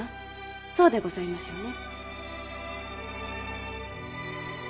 そうでございますよね。